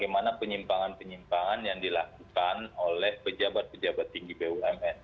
bagaimana penyimpangan penyimpangan yang dilakukan oleh pejabat pejabat tinggi bumn